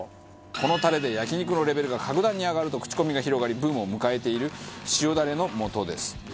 このタレで焼肉のレベルが格段に上がると口コミが広がりブームを迎えている塩だれのもとです。